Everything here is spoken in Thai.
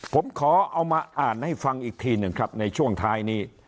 ผมขอเอามาอ่านให้ฟังอีกทีหนึ่งครับในช่วงท้ายนี้